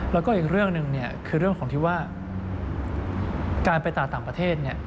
แล้วก็อีกเรื่องหนึ่งคือเรื่องของที่ว่าการไปต่างประเทศ